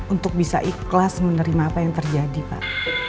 untuk bisa ikhlas menerima apa yang terjadi pak